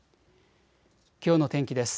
きょうの天気です。